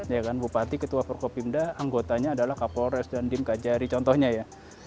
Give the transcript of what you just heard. iya kan bupati ketua forkopimda anggotanya adalah kapolres dandim kajari contohnya ya